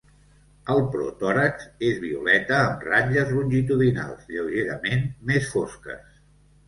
El protòrax és violeta amb ratlles longitudinals lleugerament més fosques.